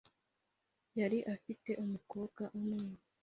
Yari afite umukobwa umwe .